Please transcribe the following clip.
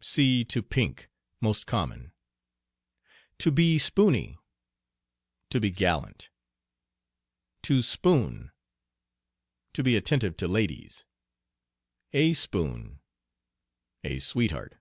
See "To pink" (most common). "To be spooney." To be gallant. "To spoon." To be attentive to ladies. "A spoon." A sweetheart.